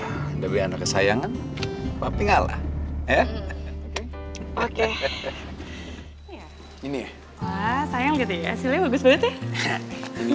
udah biar anak kesayangan tapi enggak lah ya oke ini ya sayang gitu ya hasilnya bagus banget ya